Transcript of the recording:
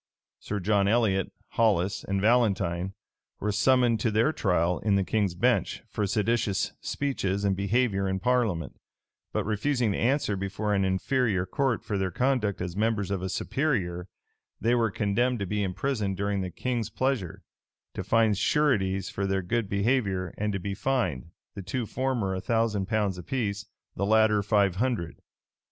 Sir John Elliot, Hollis, and Valentine, were summoned to their trial in the king's bench, for seditious speeches and behavior in parliament; but refusing to answer before an inferior court for their conduct as members of a superior, they were condemned to be imprisoned during the king's pleasure, to find sureties for their good behavior, and to be fined, the two former a thousand pounds apiece, the latter five hundred.